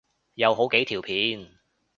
有好幾條片